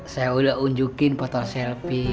saya udah unjukin foto selfie